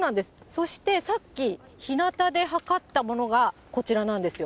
そしてさっき、ひなたで測ったものがこちらなんですよ。